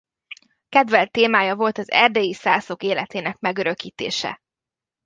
Kedvelt témája volt az erdélyi szászok életének megörökítése.